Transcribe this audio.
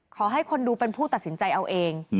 ขอให้คนดูเป็นผู้ตัดสินใจเอาเอง